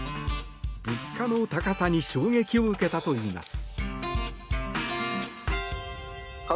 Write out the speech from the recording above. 物価の高さに衝撃を受けたといいます。